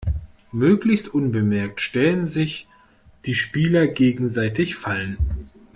Möglichst unbemerkt stellen sich die Spieler gegenseitig Fallen.